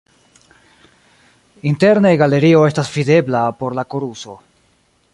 Interne galerio estas videbla por la koruso.